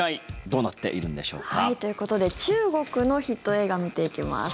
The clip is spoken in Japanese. どうなっているんでしょうか？ということで中国のヒット映画見ていきます。